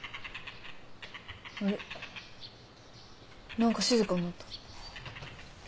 あれっ何か静かになった。